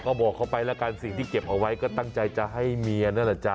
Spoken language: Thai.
ก็บอกเขาไปแล้วกันสิ่งที่เก็บเอาไว้ก็ตั้งใจจะให้เมียนั่นแหละจ๊